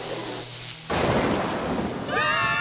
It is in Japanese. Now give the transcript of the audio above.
うわ！